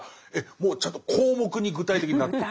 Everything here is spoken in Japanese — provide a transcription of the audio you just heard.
もうちゃんと項目に具体的になってる？